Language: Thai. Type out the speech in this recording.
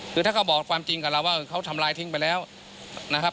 คือถ้าเขาบอกความจริงกับเราว่าเขาทำลายทิ้งไปแล้วนะครับ